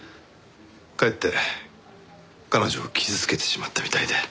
かえって彼女を傷つけてしまったみたいで。